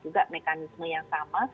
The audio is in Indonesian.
juga mekanisme yang sama